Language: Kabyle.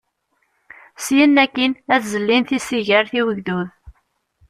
Syen akkin ad zellin tisigert i ugdud.